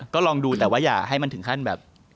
ก็ลองดูแต่ว่าอย่าให้มันถึงขั้นแบบ